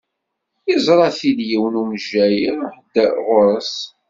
Yeẓra-t-id yiwen umejjay iruḥ-d ɣur-s.